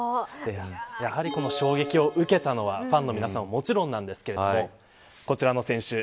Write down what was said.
やはりこの衝撃を受けたのはファンの皆さんはもちろんなんですけどこちらの選手